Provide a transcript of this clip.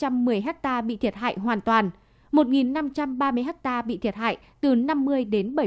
hai năm trăm một mươi hecta bị thiệt hại hoàn toàn một năm trăm ba mươi hecta bị thiệt hại từ năm mươi đến bảy mươi